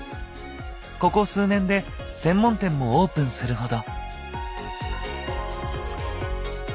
ここ数年で専門店もオープンするほど。